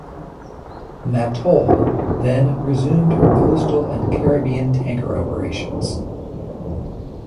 "Mattole" then resumed her coastal and Caribbean tanker operations.